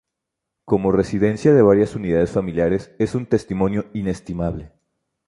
Como residencia de varias unidades familiares, es un testimonio inestimable.